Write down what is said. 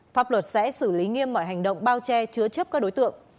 pháp luật sẽ xử lý nghiêm mọi hành động bao che chứa chấp các đối tượng